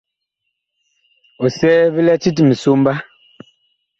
Ɔsɛɛ vi lɛ tit misomba.